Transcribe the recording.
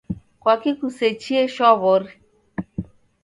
Kwaki kusechie shwaw'ori?